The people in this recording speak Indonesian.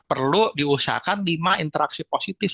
perlu diusahakan lima interaksi positif